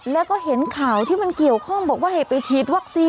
แล้วก็เห็นข่าวที่มันเกี่ยวข้องบอกว่าให้ไปฉีดวัคซีน